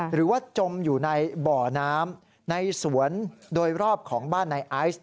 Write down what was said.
หรือว่าจมอยู่ในบ่อน้ำในสวนโดยรอบของบ้านในไอซ์